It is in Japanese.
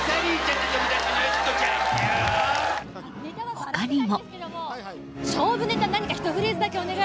他にも。